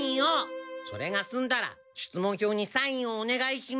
それが済んだら出門表にサインをお願いします！